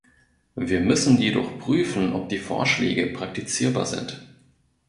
Wir müssen jedoch prüfen, ob die Vorschläge praktizierbar sind.